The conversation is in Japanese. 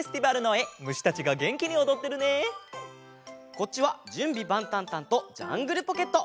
こっちは「じゅんびばんたんたん！」と「ジャングルポケット」！